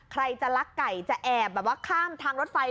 ใครจะลักไก่จะแอบแบบว่าข้ามทางรถไฟ